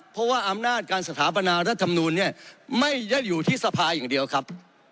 เพราะว่าอำนาจการสถาปนารัฐธรรมนูลเนี่ยไม่ได้อยู่ที่สภาอย่างเดียวครับ